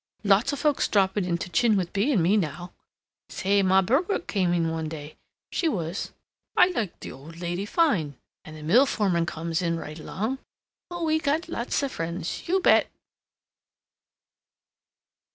Uh Lots of folks dropping in to chin with Bea and me now. Say! Ma Bogart come in one day! She was I liked the old lady fine. And the mill foreman comes in right along. Oh, we got lots of friends. You bet!"